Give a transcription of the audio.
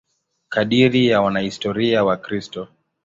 Kadiri ya wanahistoria Wakristo.